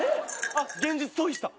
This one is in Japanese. あっ現実逃避した。